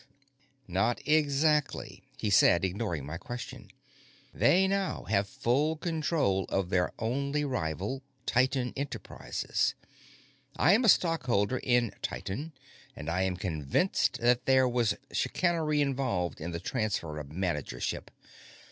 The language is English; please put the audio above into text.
"Not exactly," he said, ignoring my question. "They now have full control of their only rival, Titan Enterprises. I am a stockholder in Titan, and I am convinced that there was chicanery involved in the transfer of managership.